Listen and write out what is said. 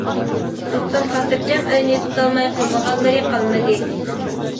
دوستۇم خاتىرجەم ئۆيىنى تۇتالماي قىلمىغانلىرى قالمىدى.